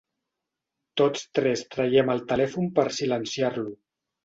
Tots tres traiem el telèfon per silenciar-lo.